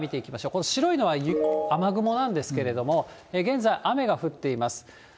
この白いのは雨雲なんですけれども、現在、雨が降っています。